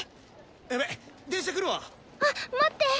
やべ電車来るわ！あっ待って！